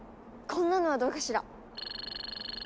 こんなのはどうかしら？